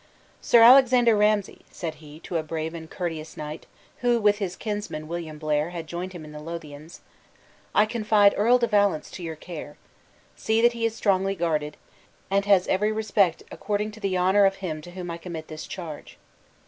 "Sir Alexander Ramsay," said he, to a brave and courteous knight, who with his kinsman, William Blair, had joined him in the Lothians; "I confide Earl de Valence, to your care. See that he is strongly guarded; and has every respect according to the honor of him to whom I commit this charge."